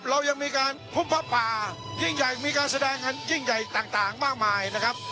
เรายังมีการพบพระป่ายิ่งใหญ่มีการแสดงอันยิ่งใหญ่ต่างมากมายนะครับ